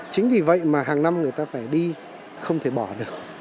chính vì vậy mà hàng năm người ta phải đi không thể bỏ được